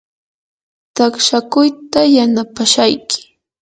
taqshakuyta yanapashayki.